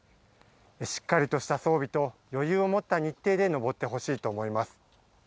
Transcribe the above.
しっかりとした装備と余裕を持った日程で登ってほしいと思います。